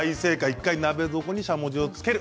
１回鍋底にしゃもじをつける。